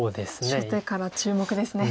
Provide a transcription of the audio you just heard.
初手から注目ですね。